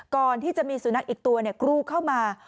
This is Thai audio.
ก่อนที่จะมีสุนัขอีกตัวกรูเข้ามา